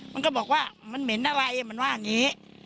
มันก็บอกว่ามันเหม็นอะไรมันว่าอย่างนี้